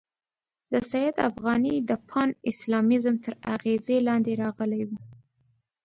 د سید افغاني د پان اسلامیزم تر اغېزې لاندې راغلی وو.